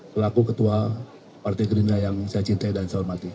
selaku ketua partai gerindra yang saya cintai dan saya hormati